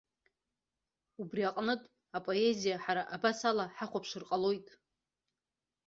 Убри аҟнытә апоезиа ҳара абасала ҳахәаԥшыр ҟалоит.